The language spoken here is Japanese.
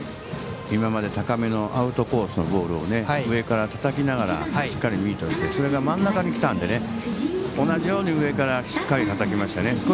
今まで高めのアウトコースのボールを上からたたきながらしっかりとミートしてそれが真ん中にきたので同じように上からしっかりたたきましたね。